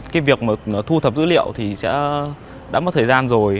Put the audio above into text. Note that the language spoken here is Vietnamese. cái việc mà thu thập dữ liệu thì sẽ đã mất thời gian rồi